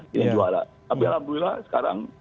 tapi alhamdulillah sekarang